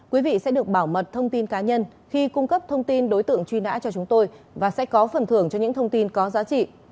quý vị sẽ được bảo mật thông tin cá nhân khi cung cấp thông tin đối tượng truy nã cho chúng tôi và sẽ có phần thưởng cho những thông tin có giá trị